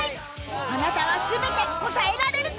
あなたは全て答えられるか！？